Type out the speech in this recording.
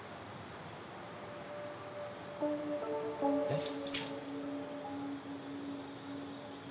えっ？